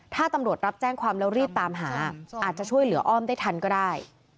ถ้าตำรวจรับแจ้งความแล้วรีบตามหาอาจจะช่วยเหลืออ้อมได้ทันก็ได้